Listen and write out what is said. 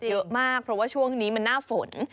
เยอะมากเพราะว่าช่วงนี้มันหน้าฝน